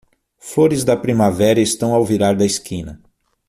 Flores da primavera estão ao virar da esquina